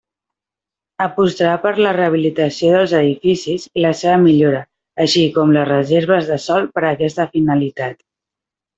Apostarà per la rehabilitació dels edificis i la seva millora, així com les reserves de sòl per aquesta finalitat.